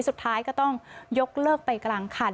สุดท้ายก็ต้องยกเลิกไปกลางคัน